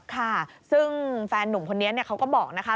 ค่ะซึ่งแฟนนุ่มคนนี้เขาก็บอกนะคะ